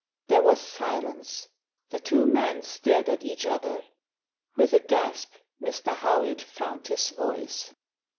There was silence. The two men stared at each other. With a gasp Mr. Howitt found his voice.